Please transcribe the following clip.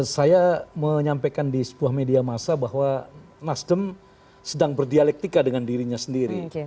saya menyampaikan di sebuah media masa bahwa nasdem sedang berdialektika dengan dirinya sendiri